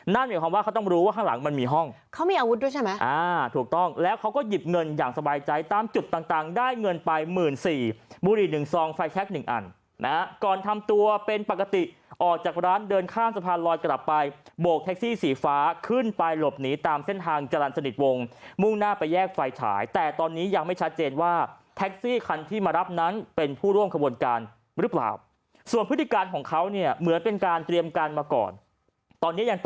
นั่นเหมือนความว่าเขาต้องรู้ว่าข้างหลังมันมีห้องเขามีอาวุธด้วยใช่ไหมอ่าถูกต้องแล้วเขาก็หยิบเงินอย่างสบายใจตามจุดต่างได้เงินไปหมื่นสี่บุรีหนึ่งซองไฟแชคหนึ่งอันนะก่อนทำตัวเป็นปกติออกจากร้านเดินข้ามสะพานลอยกลับไปโบกแท็กซี่สีฟ้าขึ้นไปหลบหนีตามเส้นทางจรรย์สนิทวงศ์มุ่งหน้า